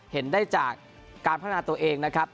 เห็นได้จากการพัฒนาตัวเองนะครับ